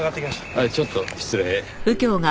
はいちょっと失礼。